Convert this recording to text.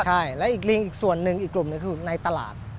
ใช่และอีกลิงอีกส่วนหนึ่งอีกกลุ่มหนึ่งคือในตลาด